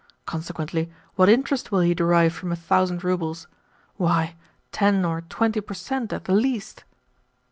Consequently, what interest will he derive from a thousand roubles? Why, ten or twenty per cent. at the least."